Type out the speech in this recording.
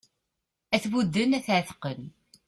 Ad t-budden ad t-εetqen